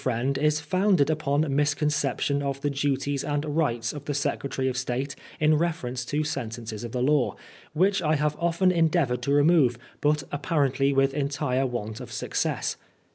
friend is founded upon misconception of the duties and rights of the Secretary of State in reference to sentences of the law, which I have often endeavoured to remove, but apparently with entire want of success.